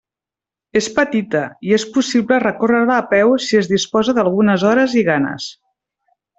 És petita, i és possible recórrer-la a peu si es disposa d'algunes hores i ganes.